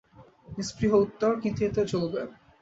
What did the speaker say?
নিঃস্পৃহ উত্তর, কিন্তু এতেও চলবে।